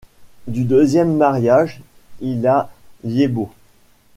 Du deuxième mariage il a Liébaud.